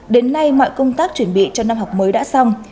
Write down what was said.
đến nay mọi công tác chuẩn bị cho năm học mới đã xong